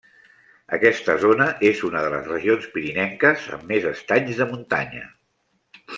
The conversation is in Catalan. Aquesta zona és una de les regions pirinenques amb més estanys de muntanya.